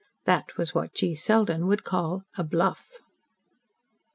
That was what G. Selden would call 'bluff.'"